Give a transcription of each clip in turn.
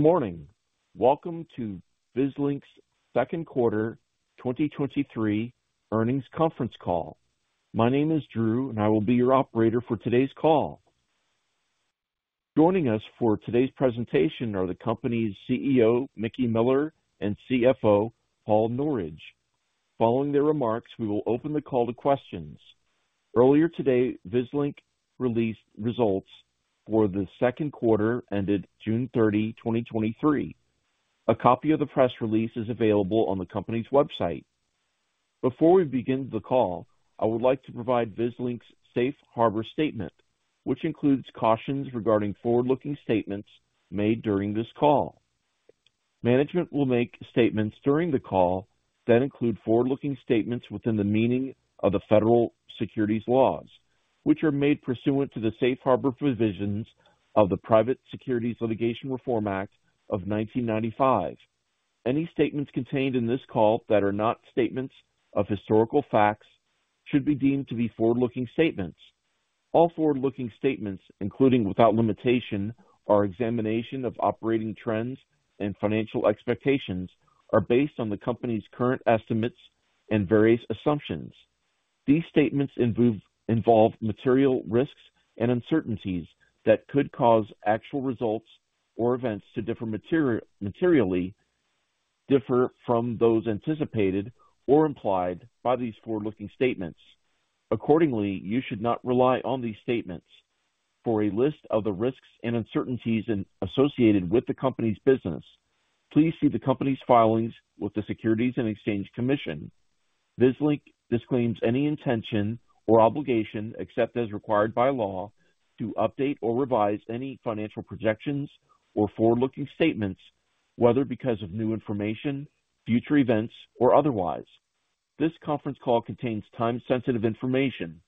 Good morning. Welcome to Vislink's second quarter 2023 earnings conference call. My name is Drew, and I will be your operator for today's call. Joining us for today's presentation are the company's CEO, Mickey Miller, and CFO, Paul Norridge. Following their remarks, we will open the call to questions. Earlier today, Vislink released results for the second quarter ended June 30, 2023. A copy of the press release is available on the company's website. Before we begin the call, I would like to provide Vislink's safe harbor statement, which includes cautions regarding forward-looking statements made during this call. Management will make statements during the call that include forward-looking statements within the meaning of the federal securities laws, which are made pursuant to the safe harbor provisions of the Private Securities Litigation Reform Act of 1995. Any statements contained in this call that are not statements of historical facts should be deemed to be forward-looking statements. All forward-looking statements, including without limitation, our examination of operating trends and financial expectations, are based on the company's current estimates and various assumptions. These statements involve, involve material risks and uncertainties that could cause actual results or events to differ materially, differ from those anticipated or implied by these forward-looking statements. Accordingly, you should not rely on these statements. For a list of the risks and uncertainties associated with the company's business, please see the company's filings with the Securities and Exchange Commission. Vislink disclaims any intention or obligation, except as required by law, to update or revise any financial projections or forward-looking statements, whether because of new information, future events, or otherwise. This conference call contains time-sensitive information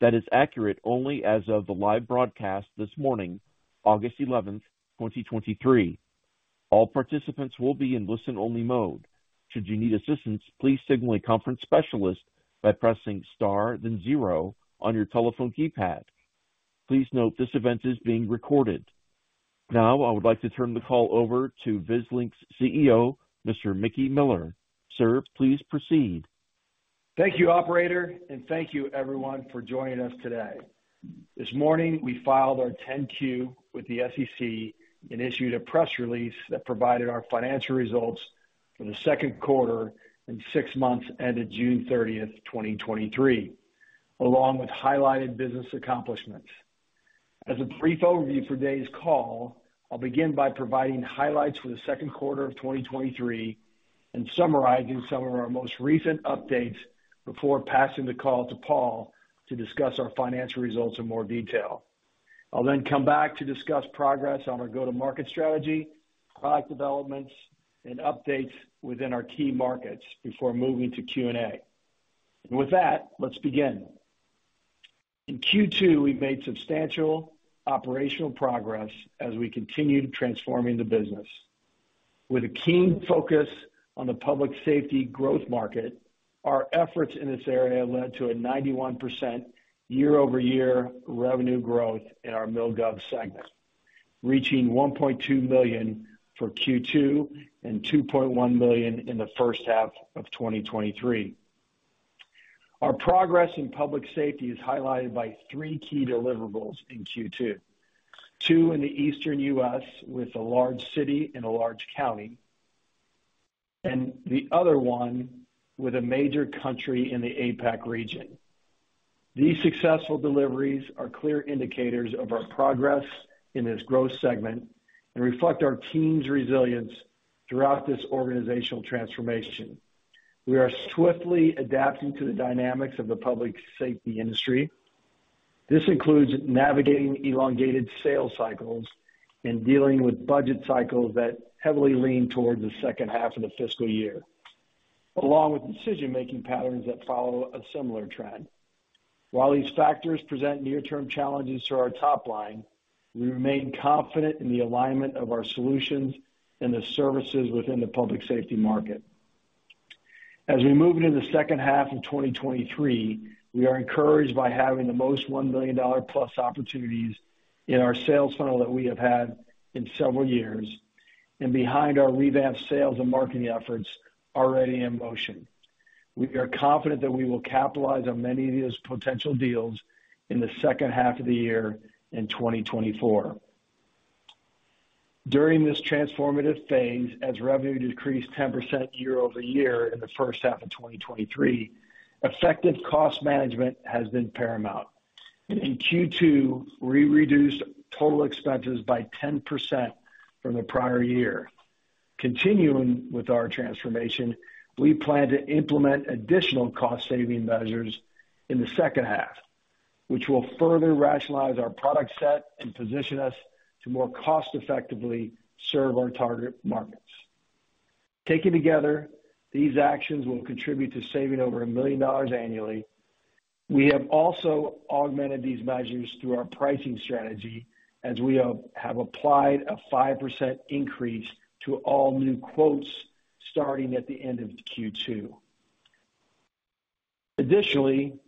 that is accurate only as of the live broadcast this morning, August 11th, 2023. All participants will be in listen-only mode. Should you need assistance, please signal a conference specialist by pressing star then zero on your telephone keypad. Please note, this event is being recorded. Now, I would like to turn the call over to Vislink's CEO, Mr. Mickey Miller. Sir, please proceed. Thank you, operator, and thank you everyone for joining us today. This morning, we filed our 10-Q with the SEC and issued a press release that provided our financial results for the second quarter and six months ended June 30th, 2023, along with highlighted business accomplishments. As a brief overview for today's call, I'll begin by providing highlights for the second quarter of 2023 and summarizing some of our most recent updates before passing the call to Paul to discuss our financial results in more detail. I'll then come back to discuss progress on our go-to-market strategy, product developments, and updates within our key markets before moving to Q&A. With that, let's begin. In Q2, we made substantial operational progress as we continued transforming the business. With a keen focus on the public safety growth market, our efforts in this area led to a 91% year-over-year revenue growth in our MilGov segment, reaching $1.2 million for Q2 and $2.1 million in the first half of 2023. Our progress in public safety is highlighted by three key deliverables in Q2, 2 in the eastern U.S., with a large city and a large county, and the other one with a major country in the APAC region. These successful deliveries are clear indicators of our progress in this growth segment and reflect our team's resilience throughout this organizational transformation. We are swiftly adapting to the dynamics of the public safety industry. This includes navigating elongated sales cycles and dealing with budget cycles that heavily lean towards the second half of the fiscal year, along with decision-making patterns that follow a similar trend. While these factors present near-term challenges to our top line, we remain confident in the alignment of our solutions and the services within the public safety market. As we move into the second half of 2023, we are encouraged by having the most $1 million+ opportunities in our sales funnel that we have had in several years and behind our revamped sales and marketing efforts already in motion. We are confident that we will capitalize on many of these potential deals in the second half of the year in 2024. During this transformative phase, as revenue decreased 10% year-over-year in the first half of 2023, effective cost management has been paramount. In Q2, we reduced total expenses by 10% from the prior year. Continuing with our transformation, we plan to implement additional cost-saving measures in the second half, which will further rationalize our product set and position us to more cost effectively serve our target markets. Taken together, these actions will contribute to saving over $1 million annually. We have also augmented these measures through our pricing strategy as we have applied a 5% increase to all new quotes starting at the end of Q2.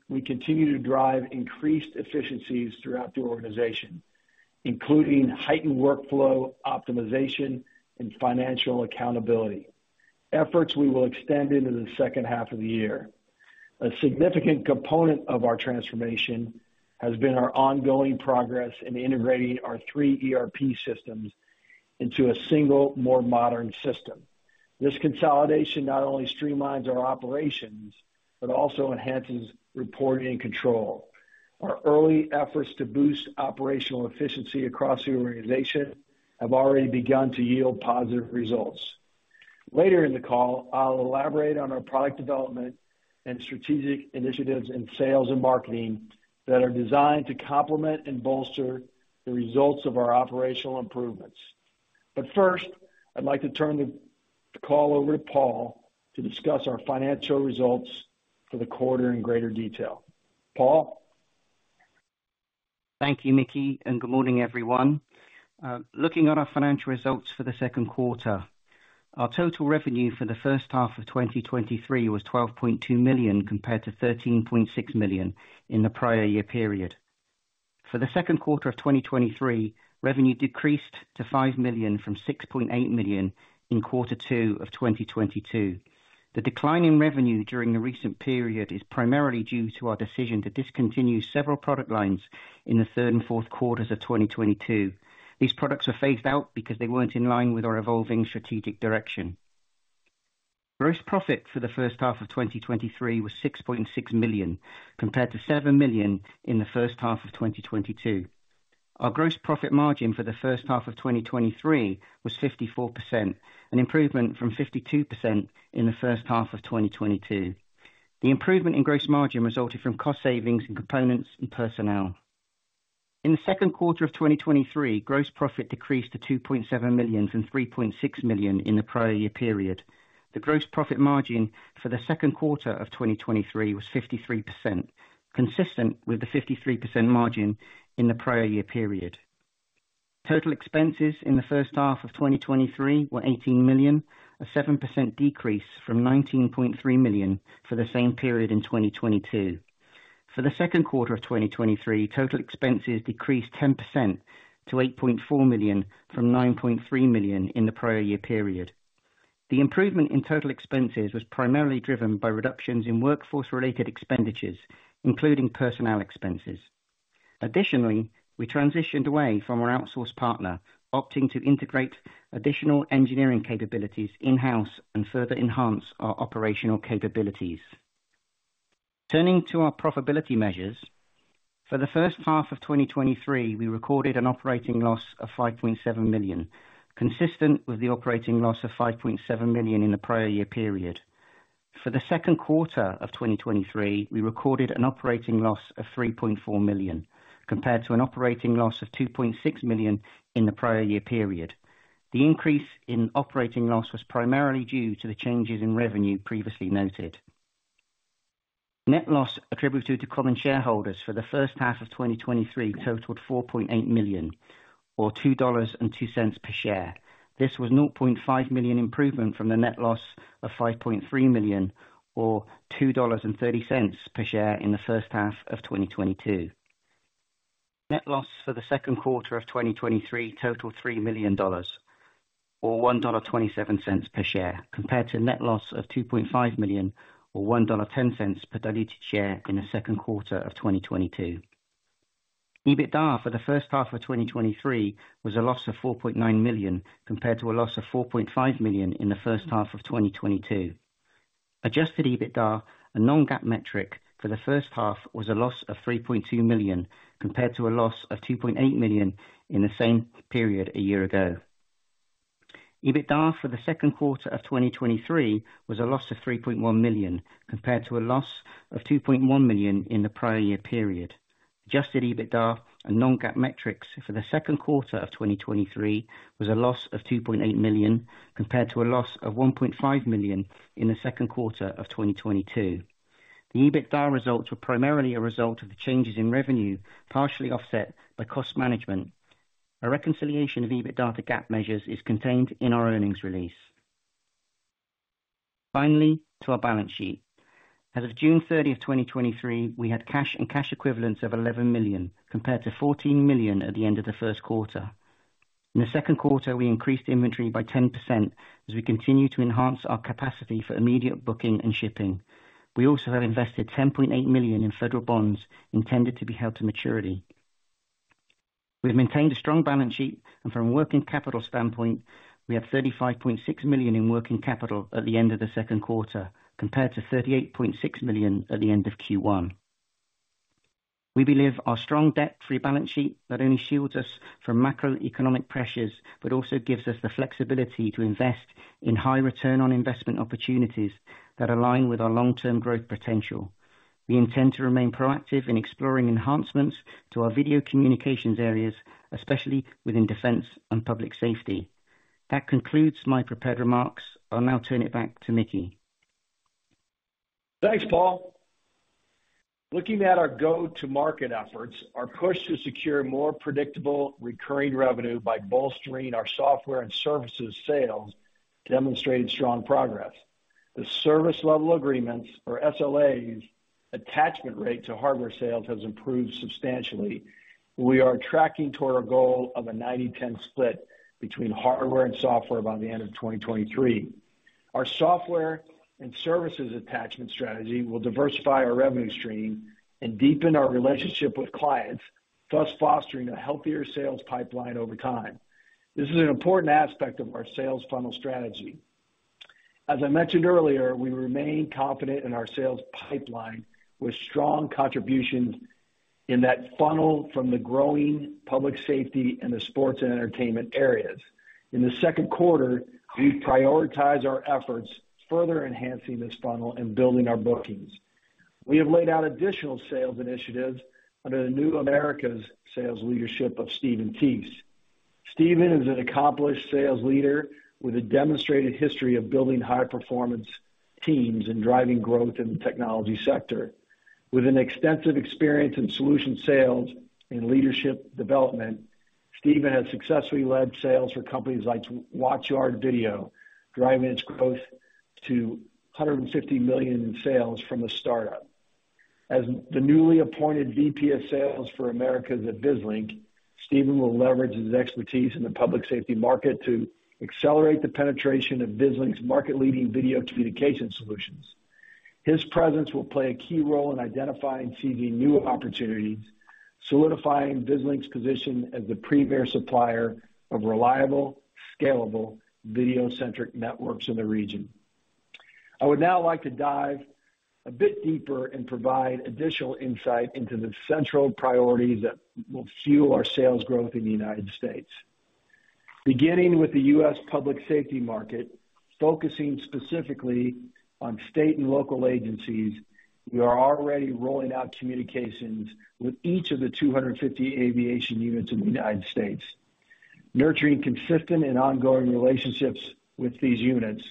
We continue to drive increased efficiencies throughout the organization, including heightened workflow, optimization, and financial accountability. Efforts we will extend into the second half of the year. A significant component of our transformation has been our ongoing progress in integrating our three ERP systems into a single, more modern system. This consolidation not only streamlines our operations, but also enhances reporting and control. Our early efforts to boost operational efficiency across the organization have already begun to yield positive results. Later in the call, I'll elaborate on our product development and strategic initiatives in sales and marketing that are designed to complement and bolster the results of our operational improvements. First, I'd like to turn the call over to Paul to discuss our financial results for the quarter in greater detail. Paul? Thank you, Mickey, and good morning, everyone. Looking at our financial results for the second quarter, our total revenue for the first half of 2023 was $12.2 million, compared to $13.6 million in the prior year period. For the second quarter of 2023, revenue decreased to $5 million from $6.8 million in Q2 of 2022. The decline in revenue during the recent period is primarily due to our decision to discontinue several product lines in the third and fourth quarters of 2022. These products were phased out because they weren't in line with our evolving strategic direction. Gross profit for the first half of 2023 was $6.6 million, compared to $7 million in the first half of 2022. Our gross profit margin for the first half of 2023 was 54%, an improvement from 52% in the first half of 2022. The improvement in gross margin resulted from cost savings and components and personnel. In the second quarter of 2023, gross profit decreased to $2.7 million from $3.6 million in the prior year period. The gross profit margin for the second quarter of 2023 was 53%, consistent with the 53% margin in the prior year period. Total expenses in the first half of 2023 were $18 million, a 7% decrease from $19.3 million for the same period in 2022. For the second quarter of 2023, total expenses decreased 10% to $8.4 million from $9.3 million in the prior year period. The improvement in total expenses was primarily driven by reductions in workforce-related expenditures, including personnel expenses. Additionally, we transitioned away from our outsource partner, opting to integrate additional engineering capabilities in-house and further enhance our operational capabilities. Turning to our profitability measures. For the first half of 2023, we recorded an operating loss of $5.7 million, consistent with the operating loss of $5.7 million in the prior year period. For the second quarter of 2023, we recorded an operating loss of $3.4 million, compared to an operating loss of $2.6 million in the prior year period. The increase in operating loss was primarily due to the changes in revenue previously noted. Net loss attributed to common shareholders for the first half of 2023 totaled $4.8 million, or $2.02 per share. This was $0.5 million improvement from the net loss of $5.3 million, or $2.30 per share in the first half of 2022. Net loss for the second quarter of 2023 totaled $3 million, or $1.27 per share, compared to net loss of $2.5 million or $1.10 per diluted share in the second quarter of 2022. EBITDA for the first half of 2023 was a loss of $4.9 million, compared to a loss of $4.5 million in the first half of 2022. Adjusted EBITDA, a non-GAAP metric for the first half, was a loss of $3.2 million, compared to a loss of $2.8 million in the same period a year ago. EBITDA for the second quarter of 2023 was a loss of $3.1 million, compared to a loss of $2.1 million in the prior year period. Adjusted EBITDA, a non-GAAP metric, for the second quarter of 2023 was a loss of $2.8 million, compared to a loss of $1.5 million in the second quarter of 2022. The EBITDA results were primarily a result of the changes in revenue, partially offset by cost management. A reconciliation of EBITDA to GAAP measures is contained in our earnings release. Finally, to our balance sheet. As of June 30th, 2023, we had cash and cash equivalents of $11 million, compared to $14 million at the end of the first quarter. In the second quarter, we increased inventory by 10% as we continue to enhance our capacity for immediate booking and shipping. We also have invested $10.8 million in federal bonds intended to be held to maturity. We've maintained a strong balance sheet, and from a working capital standpoint, we have $35.6 million in working capital at the end of the second quarter, compared to $38.6 million at the end of Q1. We believe our strong debt-free balance sheet not only shields us from macroeconomic pressures, but also gives us the flexibility to invest in high return on investment opportunities that align with our long-term growth potential. We intend to remain proactive in exploring enhancements to our video communications areas, especially within defense and public safety. That concludes my prepared remarks. I'll now turn it back to Mickey. Thanks, Paul. Looking at our go-to-market efforts, our push to secure more predictable recurring revenue by bolstering our software and services sales demonstrated strong progress. The service level agreements, or SLAs, attachment rate to hardware sales has improved substantially. We are tracking toward our goal of a 90/10 split between hardware and software by the end of 2023. Our software and services attachment strategy will diversify our revenue stream and deepen our relationship with clients, thus fostering a healthier sales pipeline over time. This is an important aspect of our sales funnel strategy. As I mentioned earlier, we remain confident in our sales pipeline, with strong contributions in that funnel from the growing public safety and the sports and entertainment areas. In the second quarter, we've prioritized our efforts, further enhancing this funnel and building our bookings. We have laid out additional sales initiatives under the new Americas sales leadership of Steven Teese. Steven is an accomplished sales leader with a demonstrated history of building high-performance teams and driving growth in the technology sector. With an extensive experience in solution sales and leadership development, Steven has successfully led sales for companies like WatchGuard Video, driving its growth to $150 million in sales from a startup. As the newly appointed VP of Sales for Americas at Vislink, Steven will leverage his expertise in the public safety market to accelerate the penetration of Vislink's market-leading video communication solutions. His presence will play a key role in identifying and seizing new opportunities, solidifying Vislink's position as the premier supplier of reliable, scalable, video-centric networks in the region. I would now like to dive a bit deeper and provide additional insight into the central priorities that will fuel our sales growth in the United States. Beginning with the U.S. public safety market, focusing specifically on state and local agencies, we are already rolling out communications with each of the 250 aviation units in the United States. Nurturing consistent and ongoing relationships with these units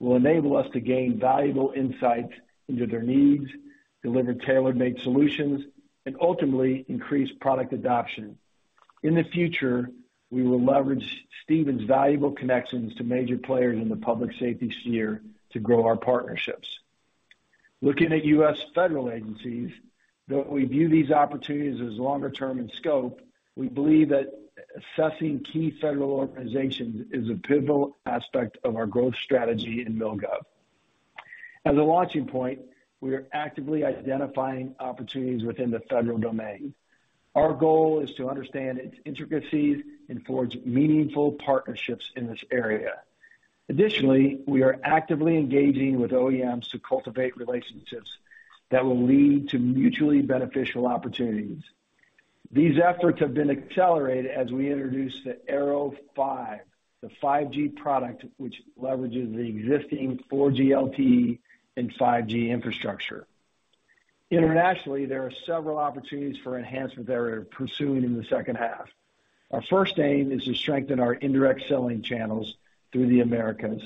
will enable us to gain valuable insights into their needs, deliver tailored-made solutions, and ultimately increase product adoption. In the future, we will leverage Steven's valuable connections to major players in the public safety sphere to grow our partnerships. Looking at U.S. federal agencies, though we view these opportunities as longer term in scope, we believe that assessing key federal organizations is a pivotal aspect of our growth strategy in MilGov. As a launching point, we are actively identifying opportunities within the federal domain. Our goal is to understand its intricacies and forge meaningful partnerships in this area. Additionally, we are actively engaging with OEMs to cultivate relationships that will lead to mutually beneficial opportunities. These efforts have been accelerated as we introduce the Aero5, the 5G product, which leverages the existing 4G LTE and 5G infrastructure. Internationally, there are several opportunities for enhancement that we're pursuing in the second half. Our first aim is to strengthen our indirect selling channels through the Americas.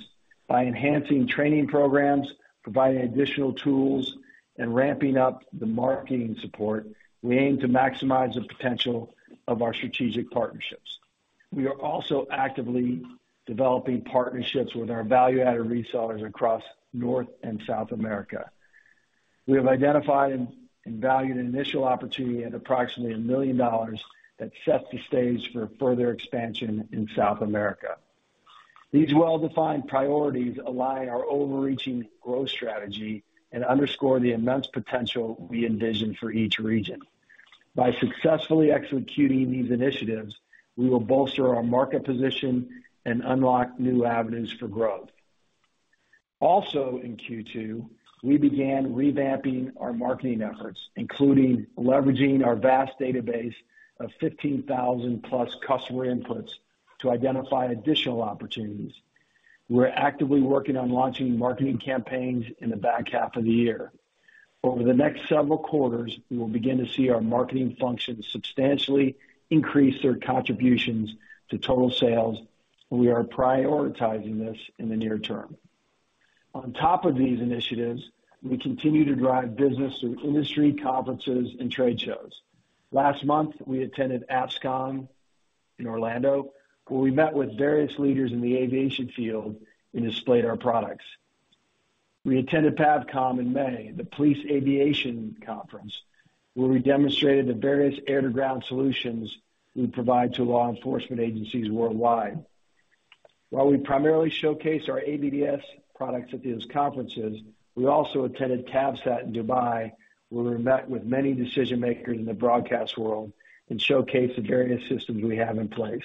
By enhancing training programs, providing additional tools, and ramping up the marketing support, we aim to maximize the potential of our strategic partnerships. We are also actively developing partnerships with our value-added resellers across North America and South America. We have identified and, and valued an initial opportunity at approximately $1 million that sets the stage for further expansion in South America. These well-defined priorities align our overreaching growth strategy and underscore the immense potential we envision for each region. By successfully executing these initiatives, we will bolster our market position and unlock new avenues for growth. Also, in Q2, we began revamping our marketing efforts, including leveraging our vast database of 15,000+ customer inputs to identify additional opportunities. We're actively working on launching marketing campaigns in the back half of the year. Over the next several quarters, we will begin to see our marketing functions substantially increase their contributions to total sales, and we are prioritizing this in the near term. On top of these initiatives, we continue to drive business through industry conferences and trade shows. Last month, we attended APSCON in Orlando, where we met with various leaders in the aviation field and displayed our products. We attended PAvCon in May, the Police Aviation Conference, where we demonstrated the various air-to-ground solutions we provide to law enforcement agencies worldwide. While we primarily showcase our AVDS products at these conferences, we also attended CABSAT in Dubai, where we met with many decision-makers in the broadcast world and showcased the various systems we have in place.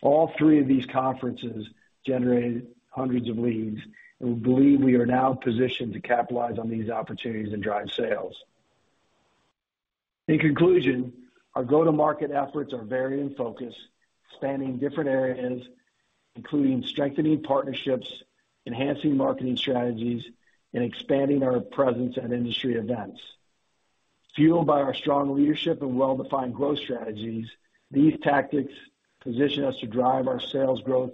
All three of these conferences generated hundreds of leads, and we believe we are now positioned to capitalize on these opportunities and drive sales. In conclusion, our go-to-market efforts are varied in focus, spanning different areas, including strengthening partnerships, enhancing marketing strategies, and expanding our presence at industry events. Fueled by our strong leadership and well-defined growth strategies, these tactics position us to drive our sales growth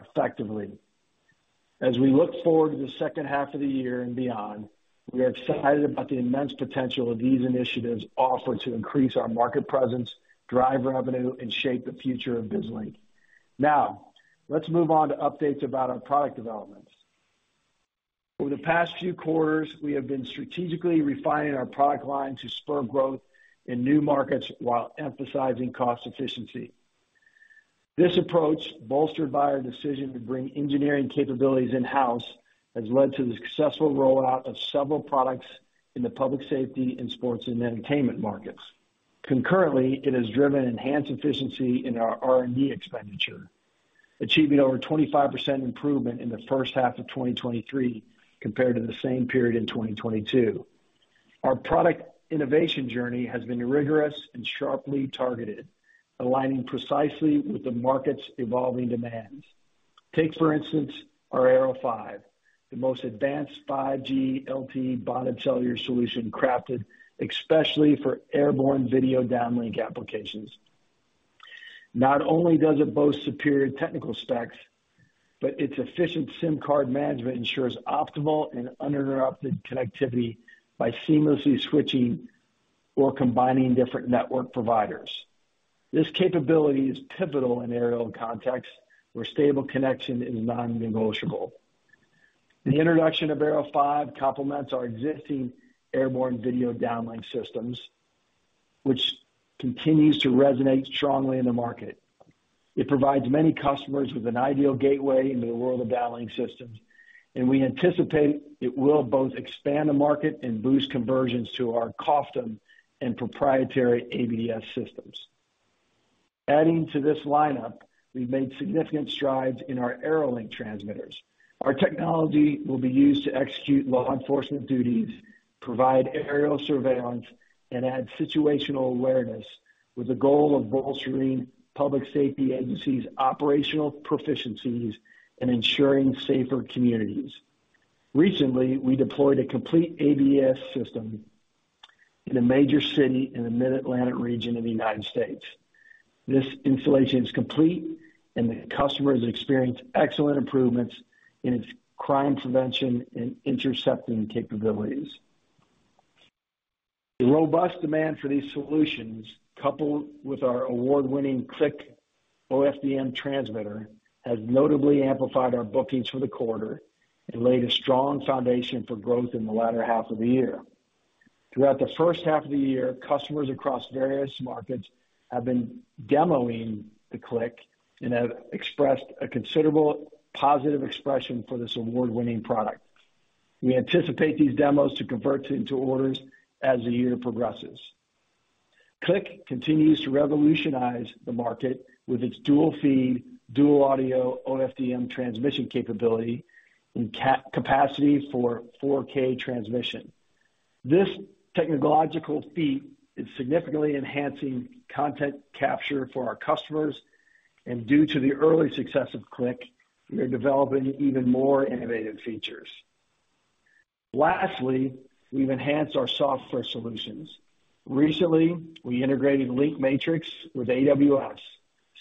effectively. As we look forward to the second half of the year and beyond, we are excited about the immense potential of these initiatives offer to increase our market presence, drive revenue, and shape the future of Vislink. Now, let's move on to updates about our product developments. Over the past few quarters, we have been strategically refining our product line to spur growth in new markets while emphasizing cost efficiency. This approach, bolstered by our decision to bring engineering capabilities in-house, has led to the successful rollout of several products in the public safety and sports and entertainment markets. Concurrently, it has driven enhanced efficiency in our R&D expenditure, achieving over 25% improvement in the first half of 2023 compared to the same period in 2022. Our product innovation journey has been rigorous and sharply targeted, aligning precisely with the market's evolving demands. Take, for instance, our Aero5, the most advanced 5G LTE bonded cellular solution, crafted especially for airborne video downlink applications. Not only does it boast superior technical specs, but its efficient SIM card management ensures optimal and uninterrupted connectivity by seamlessly switching or combining different network providers. This capability is pivotal in aerial contexts where stable connection is non-negotiable. The introduction of Aero5 complements our existing airborne video downlink systems, which continues to resonate strongly in the market. It provides many customers with an ideal gateway into the world of downlink systems, and we anticipate it will both expand the market and boost conversions to our COFDM and proprietary AVDS systems. Adding to this lineup, we've made significant strides in our AeroLink transmitters. Our technology will be used to execute law enforcement duties, provide aerial surveillance, and add situational awareness, with the goal of bolstering public safety agencies' operational proficiencies and ensuring safer communities. Recently, we deployed a complete AVDS system in a major city in the Mid-Atlantic region of the United States. This installation is complete, and the customer has experienced excellent improvements in its crime prevention and intercepting capabilities. The robust demand for these solutions, coupled with our award-winning Cliq OFDM transmitter, has notably amplified our bookings for the quarter and laid a strong foundation for growth in the latter half of the year. Throughout the first half of the year, customers across various markets have been demoing the Cliq and have expressed a considerable positive expression for this award-winning product. We anticipate these demos to convert into orders as the year progresses. Cliq continues to revolutionize the market with its dual-feed, dual-audio OFDM transmission capability and capacity for 4K transmission. This technological feat is significantly enhancing content capture for our customers, and due to the early success of Cliq, we are developing even more innovative features. Lastly, we've enhanced our software solutions. Recently, we integrated LinkMatrix with AWS,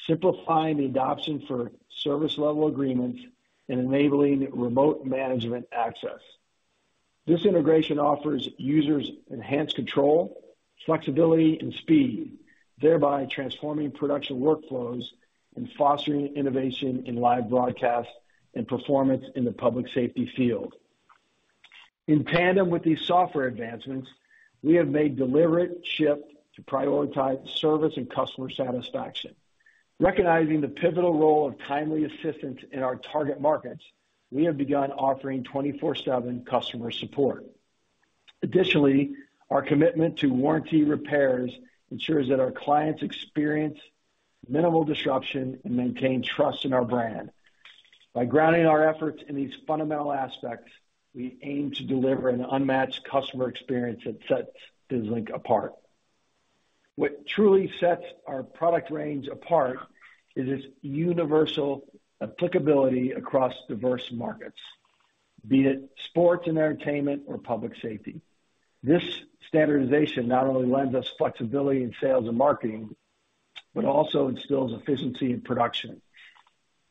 simplifying the adoption for service-level agreements and enabling remote management access. This integration offers users enhanced control, flexibility, and speed, thereby transforming production workflows and fostering innovation in live broadcasts and performance in the public safety field. In tandem with these software advancements, we have made deliberate shift to prioritize service and customer satisfaction. Recognizing the pivotal role of timely assistance in our target markets, we have begun offering 24/7 customer support. Additionally, our commitment to warranty repairs ensures that our clients experience minimal disruption and maintain trust in our brand. By grounding our efforts in these fundamental aspects, we aim to deliver an unmatched customer experience that sets Vislink apart. What truly sets our product range apart is its universal applicability across diverse markets, be it sports and entertainment or public safety. This standardization not only lends us flexibility in sales and marketing, but also instills efficiency in production.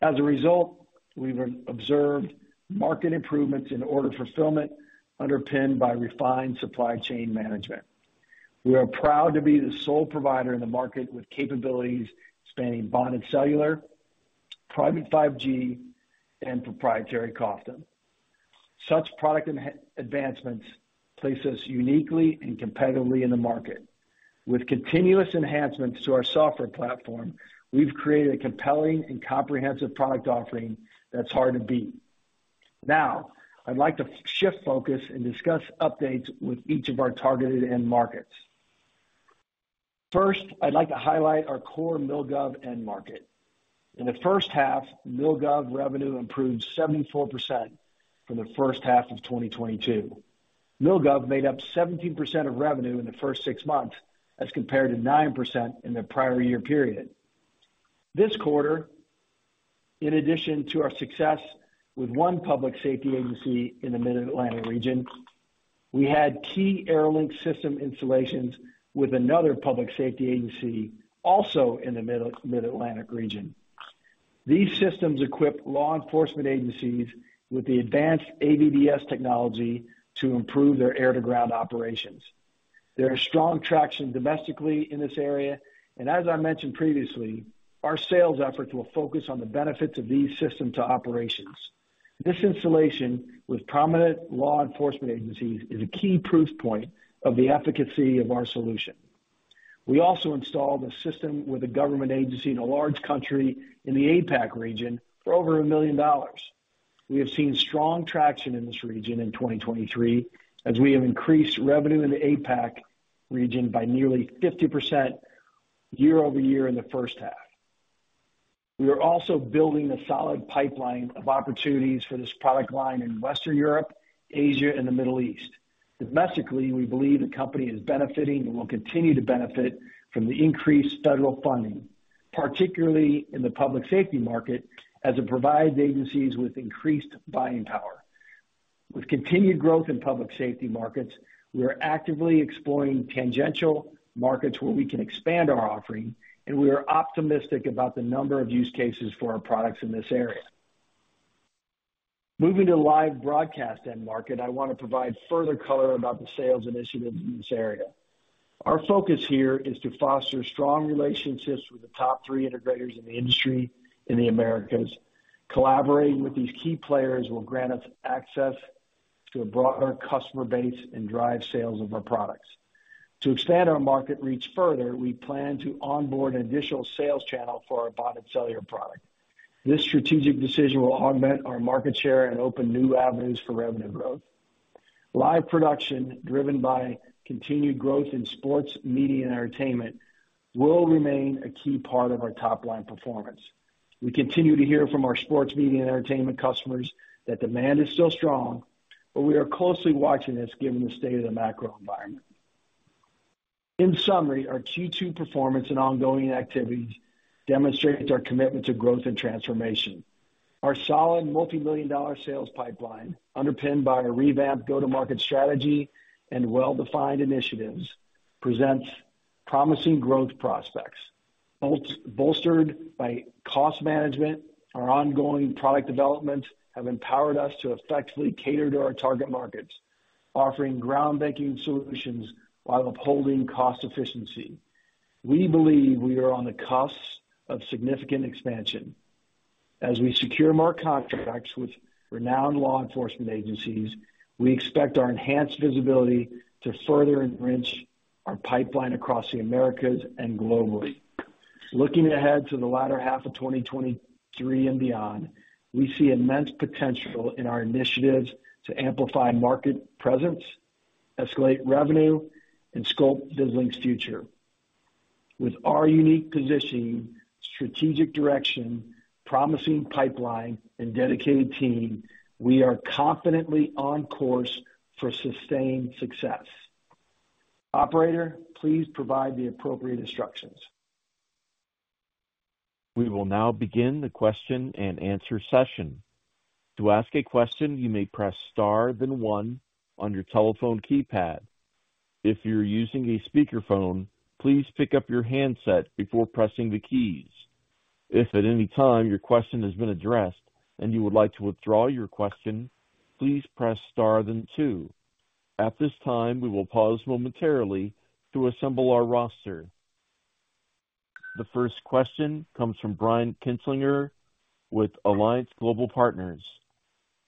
As a result, we've observed market improvements in order fulfillment, underpinned by refined supply chain management. We are proud to be the sole provider in the market with capabilities spanning bonded cellular, private 5G, and proprietary COFDM. Such product advancements place us uniquely and competitively in the market. With continuous enhancements to our software platform, we've created a compelling and comprehensive product offering that's hard to beat. Now, I'd like to shift focus and discuss updates with each of our targeted end markets. First, I'd like to highlight our core MilGov end market. In the first half, MilGov revenue improved 74% from the first half of 2022. MilGov made up 17% of revenue in the first six months, as compared to 9% in the prior year period. This quarter, in addition to our success with one public safety agency in the Mid-Atlantic region, we had key AeroLink system installations with another public safety agency, also in the Mid-Atlantic region. These systems equip law enforcement agencies with the advanced AVDS technology to improve their air-to-ground operations. There are strong traction domestically in this area, and as I mentioned previously, our sales efforts will focus on the benefits of these systems to operations. This installation with prominent law enforcement agencies is a key proof point of the efficacy of our solution. We also installed a system with a government agency in a large country in the APAC region for over $1 million. We have seen strong traction in this region in 2023, as we have increased revenue in the APAC region by nearly 50% year-over-year in the first half. We are also building a solid pipeline of opportunities for this product line in Western Europe, Asia and the Middle East. Domestically, we believe the company is benefiting and will continue to benefit from the increased federal funding, particularly in the public safety market, as it provides agencies with increased buying power. With continued growth in public safety markets, we are actively exploring tangential markets where we can expand our offering, and we are optimistic about the number of use cases for our products in this area. Moving to live broadcast end market, I want to provide further color about the sales initiatives in this area. Our focus here is to foster strong relationships with the top three integrators in the industry in the Americas. Collaborating with these key players will grant us access to a broader customer base and drive sales of our products. To expand our market reach further, we plan to onboard an additional sales channel for our bonded cellular product. This strategic decision will augment our market share and open new avenues for revenue growth. Live production, driven by continued growth in sports, media, and entertainment, will remain a key part of our top line performance. We continue to hear from our sports, media, and entertainment customers that demand is still strong, but we are closely watching this given the state of the macro environment. In summary, our Q2 performance and ongoing activities demonstrate our commitment to growth and transformation. Our solid $ multimillion sales pipeline, underpinned by a revamped go-to-market strategy and well-defined initiatives, presents promising growth prospects. Bolstered by cost management, our ongoing product developments have empowered us to effectively cater to our target markets, offering groundbreaking solutions while upholding cost efficiency. We believe we are on the cusp of significant expansion. As we secure more contracts with renowned law enforcement agencies, we expect our enhanced visibility to further enrich our pipeline across the Americas and globally. Looking ahead to the latter half of 2023 and beyond, we see immense potential in our initiatives to amplify market presence, escalate revenue and sculpt Vislink's future. With our unique positioning, strategic direction, promising pipeline and dedicated team, we are confidently on course for sustained success. Operator, please provide the appropriate instructions. We will now begin the question-and-answer session. To ask a question, you may press star, then one on your telephone keypad. If you're using a speakerphone, please pick up your handset before pressing the keys. If at any time your question has been addressed and you would like to withdraw your question, please press star then two. At this time, we will pause momentarily to assemble our roster. The first question comes from Brian Kinstlinger, with Alliance Global Partners.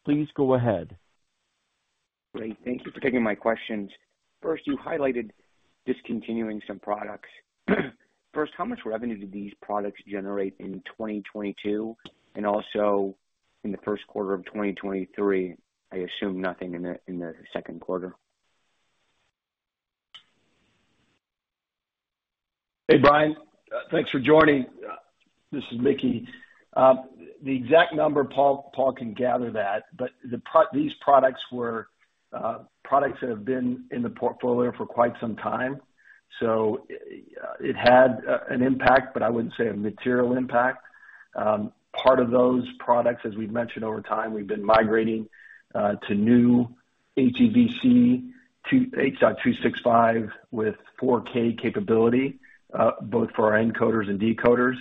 Please go ahead. Great. Thank you for taking my questions. First, you highlighted discontinuing some products. First, how much revenue did these products generate in 2022 and also in the first quarter of 2023? I assume nothing in the, in the second quarter. Hey, Brian, thanks for joining. This is Mickey. The exact number, Paul, Paul can gather that, but these products were products that have been in the portfolio for quite some time, so it had an impact, but I wouldn't say a material impact. Part of those products, as we've mentioned over time, we've been migrating to new HEVC 2, H.265 with 4K capability, both for our encoders and decoders.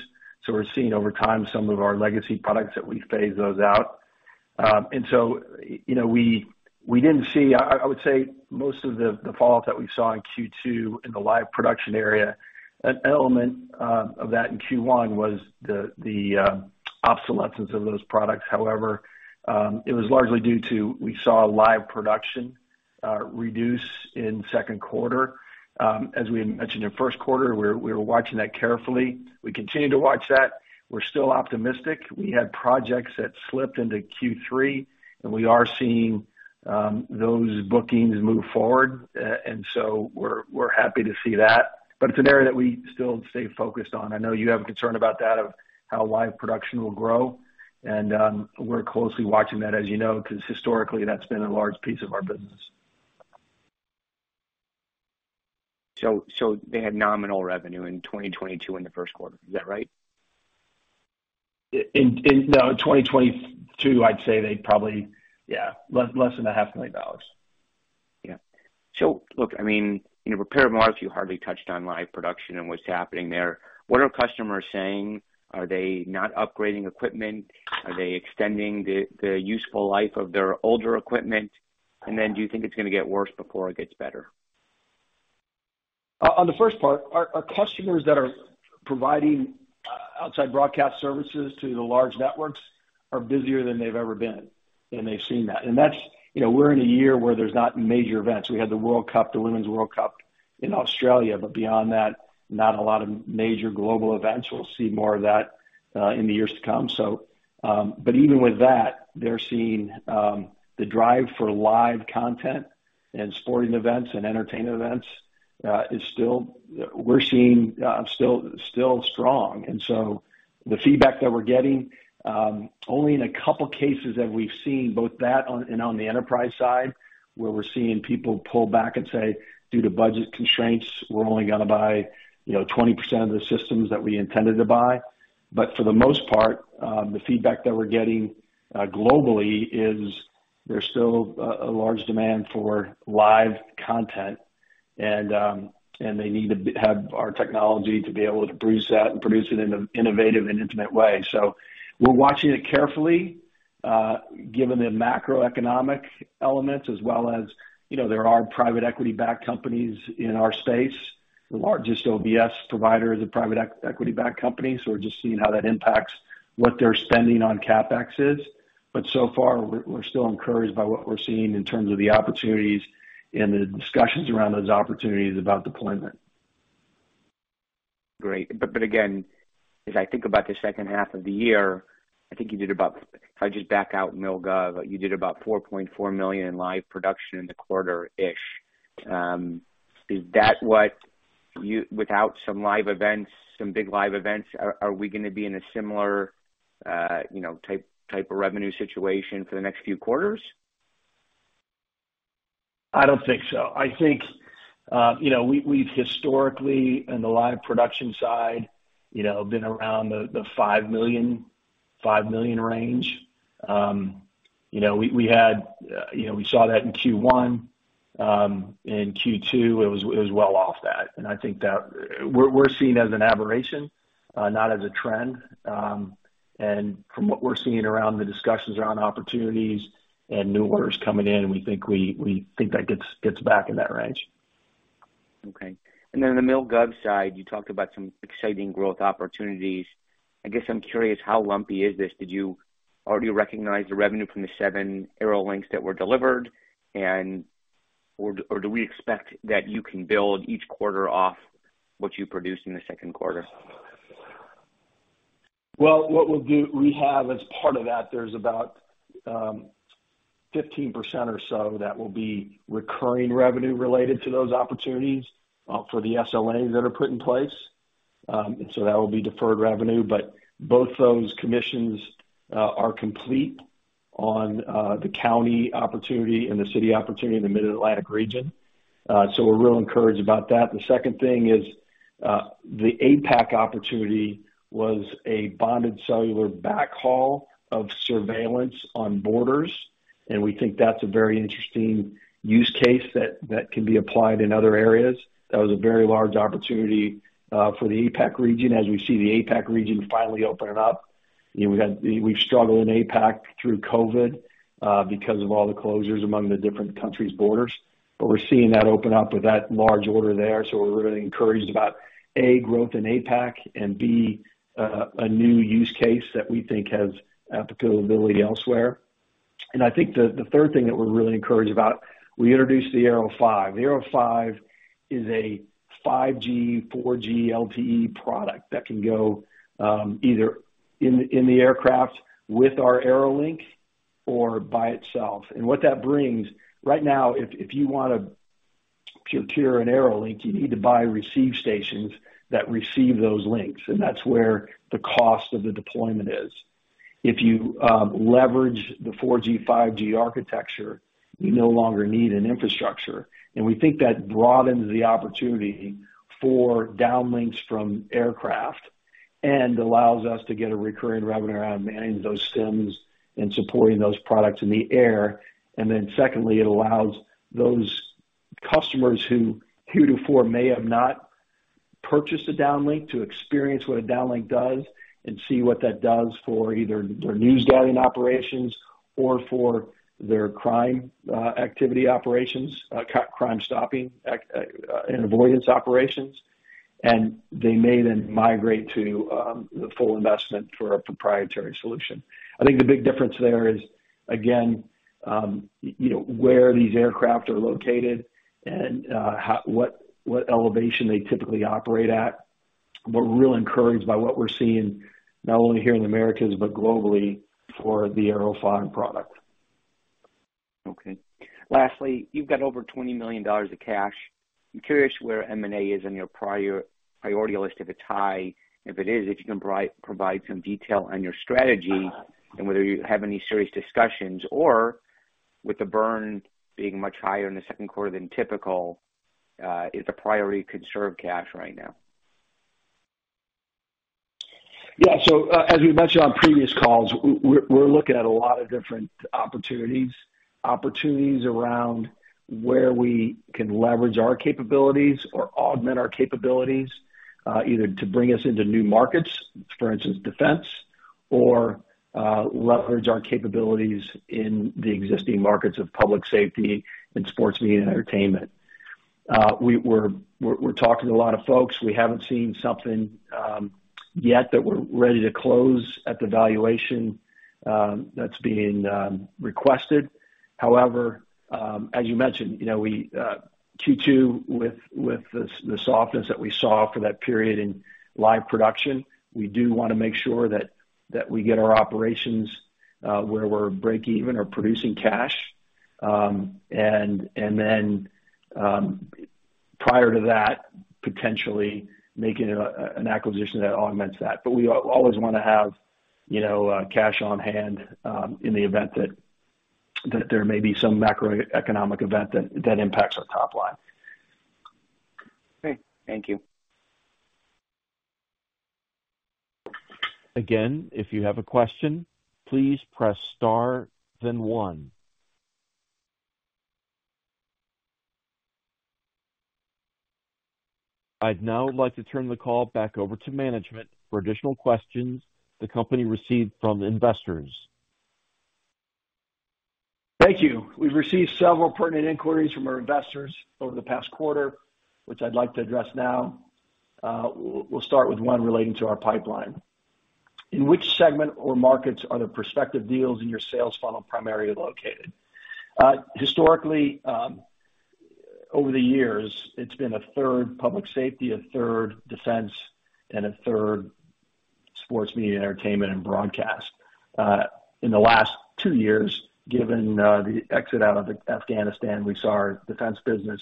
We're seeing over time some of our legacy products that we phase those out. You know, we, we didn't see. I, I would say most of the fallout that we saw in Q2 in the live production area, an element of that in Q1 was the obsolescence of those products. However, it was largely due to, we saw live production reduce in second quarter. As we had mentioned in first quarter, we were watching that carefully. We continue to watch that. We're still optimistic. We had projects that slipped into Q3. We are seeing those bookings move forward. So we're happy to see that, but it's an area that we still stay focused on. I know you have a concern about that, of how live production will grow. We're closely watching that, as you know, because historically that's been a large piece of our business. They had nominal revenue in 2022 in the first quarter. Is that right? 2022, I'd say they probably, yeah, less than $500,000. Yeah. Look, I mean, in your prepared remarks, you hardly touched on live production and what's happening there. What are customers saying? Are they not upgrading equipment? Are they extending the useful life of their older equipment? Then do you think it's gonna get worse before it gets better? On the first part, our, our customers that are providing outside broadcast services to the large networks are busier than they've ever been, and they've seen that. That's, you know, we're in a year where there's not major events. We had the World Cup, the Women's World Cup in Australia, but beyond that, not a lot of major global events. We'll see more of that in the years to come. But even with that, they're seeing the drive for live content and sporting events and entertainment events, we're seeing still, still strong. The feedback that we're getting, only in a couple of cases have we've seen both that on, and on the enterprise side, where we're seeing people pull back and say, "Due to budget constraints, we're only gonna buy, you know, 20% of the systems that we intended to buy." For the most part, the feedback that we're getting, globally is there's still a large demand for live content, and they need to have our technology to be able to produce that and produce it in an innovative and intimate way. We're watching it carefully, given the macroeconomic elements as well as, you know, there are private equity-backed companies in our space. The largest OBS provider is a private equity-backed company, so we're just seeing how that impacts what their spending on CapEx is. So far, we're, we're still encouraged by what we're seeing in terms of the opportunities and the discussions around those opportunities about deployment. Great. But again, as I think about the second half of the year, I think you did about, if I just back out MilGov, you did about $4.4 million in live production in the quarter-ish. Is that what you, without some live events, some big live events, are we gonna be in a similar, you know, type of revenue situation for the next few quarters? I don't think so. I think, you know, we've, we've historically, in the live production side, you know, been around the, the $5 million, $5 million range. You know, we, we had, you know, we saw that in Q1. In Q2, it was, it was well off that, and I think that we're, we're seeing as an aberration, not as a trend. From what we're seeing around the discussions around opportunities and new orders coming in, we think we, we think that gets, gets back in that range. Okay. Then on the MilGov side, you talked about some exciting growth opportunities. I guess I'm curious, how lumpy is this? Did you already recognize the revenue from the seven AeroLink that were delivered? Or do we expect that you can build each quarter off what you produced in the second quarter? Well, what we'll do, we have as part of that, there's about 15% or so that will be recurring revenue related to those opportunities for the SLAs that are put in place. So that will be deferred revenue, but both those commissions are complete on the county opportunity and the city opportunity in the Mid-Atlantic region. We're real encouraged about that. The second thing is, the APAC opportunity was a bonded cellular backhaul of surveillance on borders, and we think that's a very interesting use case that, that can be applied in other areas. That was a very large opportunity for the APAC region, as we see the APAC region finally opening up. You know, we had- we, we've struggled in APAC through COVID because of all the closures among the different countries' borders, but we're seeing that open up with that large order there. We're really encouraged about, A, growth in APAC, and B, a new use case that we think has applicability elsewhere. I think the, the third thing that we're really encouraged about, we introduced the Aero5. The Aero5 is a 5G, 4G LTE product that can go either in the, in the aircraft with our AeroLink or by itself. What that brings, right now, if, if you want to p- tier an AeroLink, you need to buy receive stations that receive those links, and that's where the cost of the deployment is. If you leverage the 4G, 5G architecture, you no longer need an infrastructure, and we think that broadens the opportunity for downlinks from aircraft and allows us to get a recurring revenue around managing those SIMs and supporting those products in the air. Then secondly, it allows those customers who heretofore may have not purchased a downlink to experience what a downlink does and see what that does for either their newsgathering operations or for their crime activity operations, crime-stopping, and avoidance operations. They may then migrate to the full investment for a proprietary solution. I think the big difference there is, again, you know, where these aircraft are located and what, what elevation they typically operate at. We're real encouraged by what we're seeing, not only here in the Americas, but globally for the Aero5 product. Okay. Lastly, you've got over $20 million of cash. I'm curious where M&A is on your priority list, if it's high? If it is, if you can provide some detail on your strategy and whether you have any serious discussions or...? With the burn being much higher in the second quarter than typical, is a priority to conserve cash right now? As we mentioned on previous calls, we're looking at a lot of different opportunities. Opportunities around where we can leverage our capabilities or augment our capabilities, either to bring us into new markets, for instance, defense, or leverage our capabilities in the existing markets of public safety and sports media and entertainment. We're talking to a lot of folks. We haven't seen something yet that we're ready to close at the valuation that's being requested. However, as you mentioned, you know, we Q2 with the softness that we saw for that period in live production, we do wanna make sure that we get our operations where we're breakeven or producing cash. And then, prior to that, potentially making an acquisition that augments that. We always wanna have, you know, cash on hand, in the event that, that there may be some macroeconomic event that, that impacts our top line. Great. Thank you. Again, if you have a question, please press star then one. I'd now like to turn the call back over to management for additional questions the company received from investors. Thank you. We've received several pertinent inquiries from our investors over the past quarter, which I'd like to address now. We'll, we'll start with one relating to our pipeline. In which segment or markets are the prospective deals in your sales funnel primarily located? Historically, over the years, it's been a third public safety, a third defense, and a third sports media, entertainment, and broadcast. In the last two years, given the exit out of Afghanistan, we saw our defense business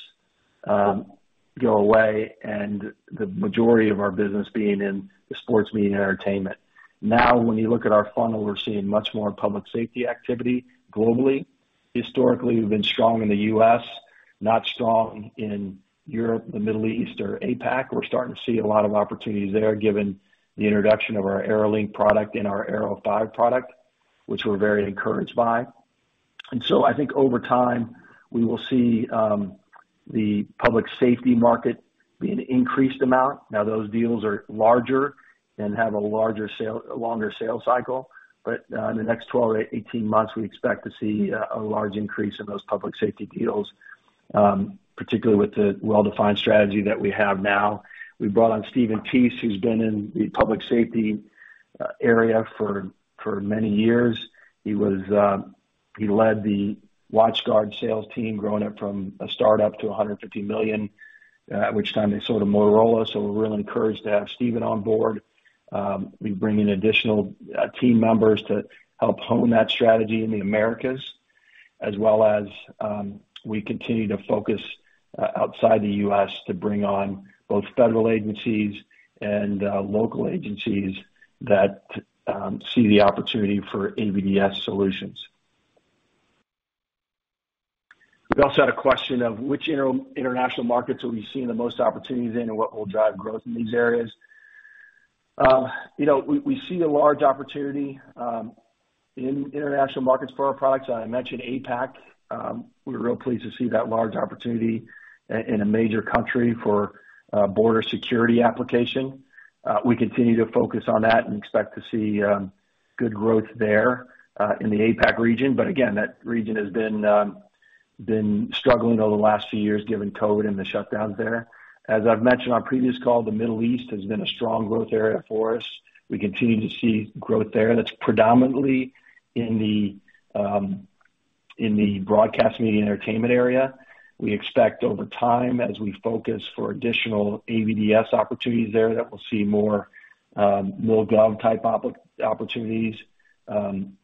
go away and the majority of our business being in the sports media and entertainment. Now, when you look at our funnel, we're seeing much more public safety activity globally. Historically, we've been strong in the U.S., not strong in Europe, the Middle East, or APAC. We're starting to see a lot of opportunities there, given the introduction of our AeroLink product and our Aero5 product, which we're very encouraged by. I think over time, we will see the public safety market be an increased amount. Now, those deals are larger and have a longer sales cycle, in the next 12 to 18 months, we expect to see a large increase in those public safety deals, particularly with the well-defined strategy that we have now. We brought on Steven Teese, who's been in the public safety area for many years. He was, he led the WatchGuard sales team, growing it from a startup to $150 million, at which time they sold to Motorola. We bring in additional team members to help hone that strategy in the Americas, as well as, we continue to focus outside the U.S. to bring on both federal agencies and local agencies that see the opportunity for AVDS solutions. We also had a question of which international markets are we seeing the most opportunities in, and what will drive growth in these areas? You know, we, we see a large opportunity in international markets for our products. I mentioned APAC. We're real pleased to see that large opportunity in a major country for a border security application. We continue to focus on that and expect to see good growth there in the APAC region. Again, that region has been struggling over the last few years, given COVID and the shutdowns there. As I've mentioned on our previous call, the Middle East has been a strong growth area for us. We continue to see growth there. That's predominantly in the broadcast media entertainment area. We expect over time, as we focus for additional AVDS opportunities there, that we'll see more gov type opportunities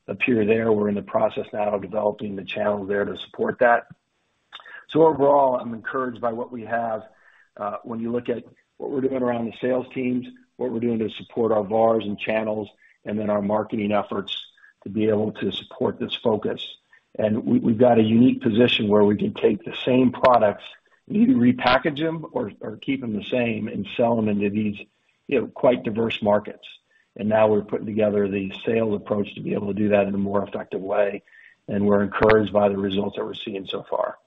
appear there. We're in the process now of developing the channels there to support that. Overall, I'm encouraged by what we have when you look at what we're doing around the sales teams, what we're doing to support our VARs and channels, and then our marketing efforts to be able to support this focus. We, we've got a unique position where we can take the same products, either repackage them or, or keep them the same and sell them into these, you know, quite diverse markets. Now we're putting together the sales approach to be able to do that in a more effective way, and we're encouraged by the results that we're seeing so far.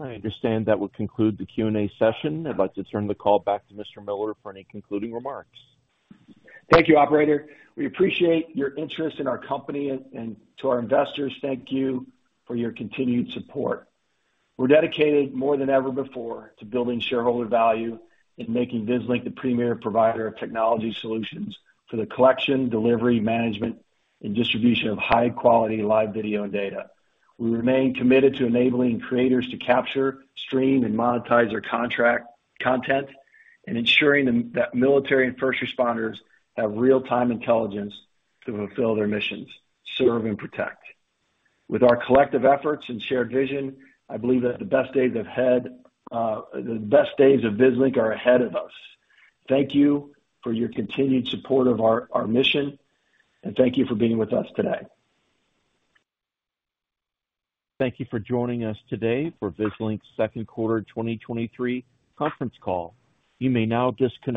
I understand that will conclude the Q&A session. I'd like to turn the call back to Mr. Miller for any concluding remarks. Thank you, operator. We appreciate your interest in our company, and, and to our investors, thank you for your continued support. We're dedicated more than ever before to building shareholder value and making Vislink the premier provider of technology solutions for the collection, delivery, management, and distribution of high-quality live video and data. We remain committed to enabling creators to capture, stream, and monetize their content, and ensuring that military and first responders have real-time intelligence to fulfill their missions, serve, and protect. With our collective efforts and shared vision, I believe that the best days ahead, the best days of Vislink are ahead of us. Thank you for your continued support of our, our mission, and thank you for being with us today. Thank you for joining us today for Vislink's second quarter 2023 conference call. You may now disconnect.